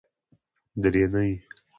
درېنۍ